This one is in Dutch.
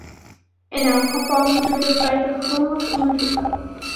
In elk geval moeten we de feiten grondig onderzoeken.